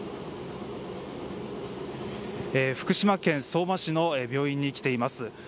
福島県相馬市の病院に来ています。